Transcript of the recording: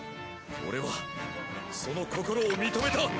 俺はその心を認めた！